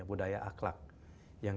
adopt budaya aklak yang